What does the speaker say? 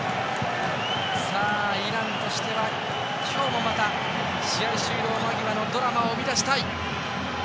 イランとしては今日もまた試合終了間際のドラマを生み出したい。